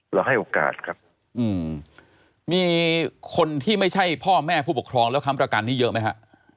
ให้โอกาสครับมีคนที่ไม่ใช่พ่อแม่ผู้ปกครองแล้วค้ำประกันนี้เยอะไหมฮะ